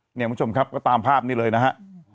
คุณผู้ชมครับก็ตามภาพนี้เลยนะฮะ